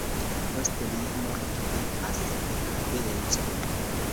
Post lia morto ekas dekadenco.